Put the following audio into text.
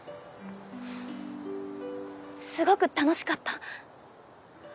すごく楽しかった。